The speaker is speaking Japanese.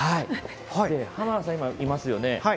濱田さん、今いますよね。